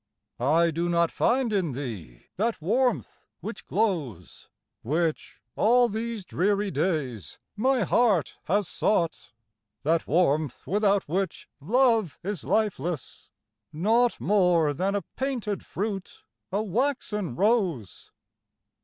I do not find in thee that warmth which glows, Which, all these dreary days, my heart has sought, That warmth without which love is lifeless, naught More than a painted fruit, a waxen rose.